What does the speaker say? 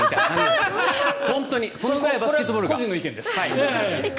個人の意見です。